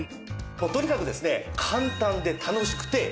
とにかくですね。